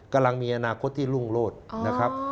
กำลังมีอนาคตที่รุ่งโลศนะครับ